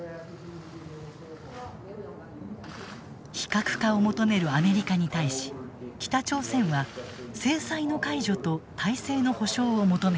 非核化を求めるアメリカに対し北朝鮮は制裁の解除と体制の保証を求めた。